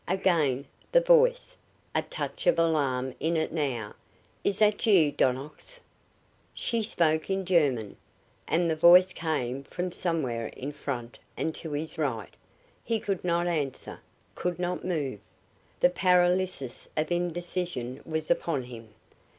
Again the voice, a touch of alarm in it now: "Is that you, Donnox?" She spoke in German, and the voice came from somewhere in front and to his right. He could not answer, could not move. The paralysis of indecision was upon him.